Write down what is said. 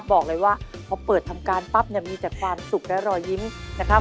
บอกเลยว่าพอเปิดทำการปั๊บเนี่ยมีแต่ความสุขและรอยยิ้มนะครับ